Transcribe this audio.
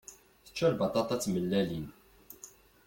Tečča lbaṭaṭa d tmellalin.